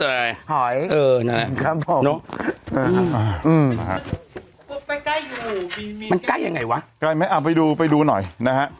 ใกล้อยู่มันใกล้ยังไงวะใกล้ไหมเอาไปดูไปดูหน่อยนะฮะ